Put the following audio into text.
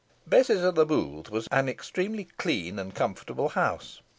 Bess's o' th' Booth was an extremely clean and comfortable house.